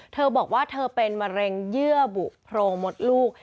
เธอบอกว่าเธอเป็นมะเร็งเยื่อบุโพรงมดลูก